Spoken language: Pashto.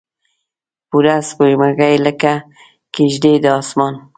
پوره سپوږمۍ لکه کیږدۍ د اسمان